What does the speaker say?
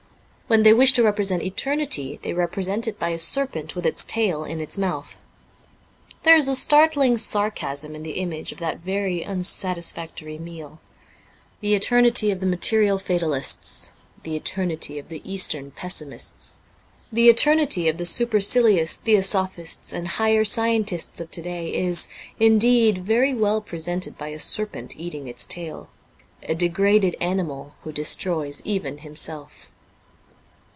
When they wish to represent eternity, they represent it by a serpent with its tail in its mouth. There is a startling sarcasm in the image of that very unsatisfactory meal. The eternity of the material fatalists, the eternity of the eastern pessimists, the eternity of the supercilious theosophists and higher scientists of to day is, indeed, very well presented by a serpent eating its tail — a degraded animal who destroys even himself.